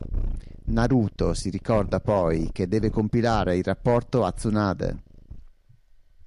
Naruto si ricorda poi che deve compilare il rapporto a Tsunade.